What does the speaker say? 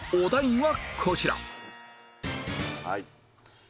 はい。